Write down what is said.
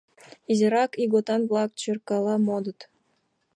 Изирак ийготан-влак чӧракала модыт.